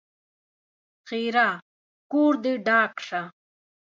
ښېرا: کور دې ډاک شه!